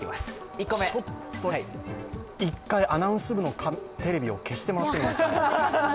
ちょっと１回、アナウンス部のテレビを消してもらってもいいですか。